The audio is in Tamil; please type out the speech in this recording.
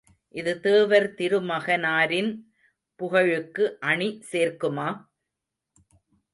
இது தேவர் திருமகனாரின் புகழுக்கு அணி சேர்க்குமா?